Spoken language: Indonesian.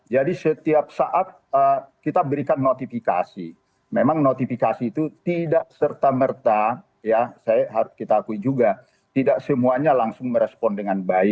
jadi setiap saat kita berikan notifikasi memang notifikasi itu tidak serta merta ya saya harus kita akui juga tidak semuanya langsung merespon dengan baik